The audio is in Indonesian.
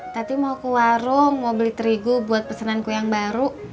tati mau ke warung mau beli terigu buat pesenanku yang baru